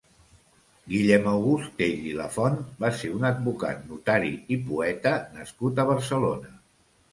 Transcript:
Guillem August Tell i Lafont va ser un advocat, notari i poeta nascut a Barcelona.